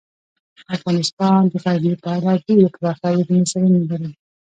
افغانستان د غزني په اړه ډیرې پراخې او علمي څېړنې لري.